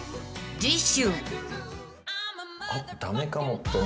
［次週］